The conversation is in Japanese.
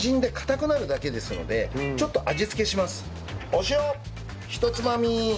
お塩ひとつまみ。